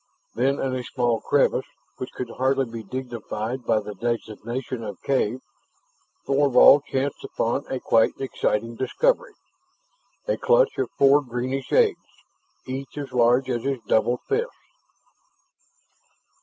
Then, in a small crevice, which could hardly be dignified by the designation of "cave," Thorvald chanced upon a quite exciting discovery a clutch of four greenish eggs, each as large as his doubled fist.